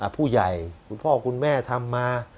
ผู้ใหญ่ผู้พ่อคุณแม่ทำมา